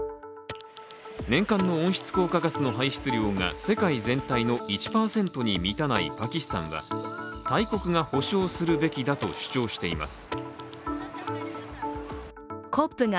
年間の温室効果ガスの排出量が世界全体の１％に満たないパキスタンは大国が補償するべきだと主張しています。